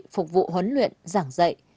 phục vụ huấn luyện giảng dạy